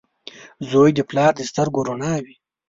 • زوی د پلار د سترګو رڼا وي.